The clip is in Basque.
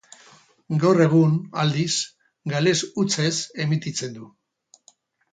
Gaur egun, aldiz, gales hutsez emititzen du.